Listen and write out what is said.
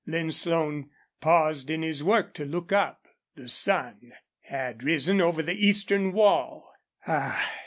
Lin Slone paused in his work to look up. The sun had risen over the eastern wall. "Ah!"